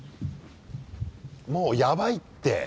もうやばいって。